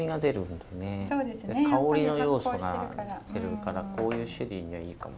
で香りの要素が出るからこういうシェリーにはいいかも。